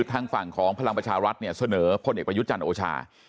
ทางฝั่งของพลังประชารัฐเนี่ยเสนอพลเอกประยุทธ์จันทร์โอชา